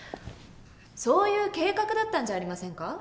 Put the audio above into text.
そういう計画だったんじゃありませんか？